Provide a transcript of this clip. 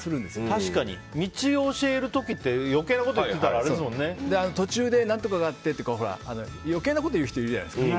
確かに道を教える時って余計なこと言ってたら途中で何とかがあってとか余計なことを言う人言うじゃないですか。